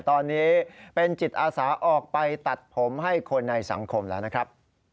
ตอนนี้เป็นจิตอาสาออกไปตัดผมให้คนในสังคมแล้วนะครับ